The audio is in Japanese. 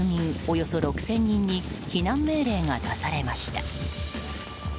およそ６０００人に避難命令が出されました。